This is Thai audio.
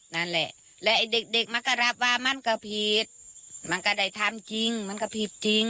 นั่นแหละแล้วไอ้เด็กเด็กมันก็รับว่ามันก็ผิดมันก็ได้ทำจริงมันก็ผิดจริง